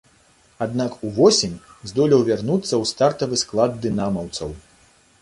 Аднак увосень здолеў вярнуцца ў стартавы склад дынамаўцаў.